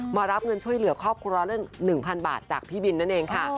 มารับเงินช่วยเหลือครอบครัวเรื่อง๑๐๐๐บาทจากพี่บินนั่นเองค่ะ